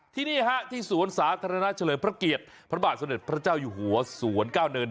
ที่นี่ฮะที่สวนสาธารณะเฉลิมพระเกียรติพระบาทสมเด็จพระเจ้าอยู่หัวสวนก้าวเนิน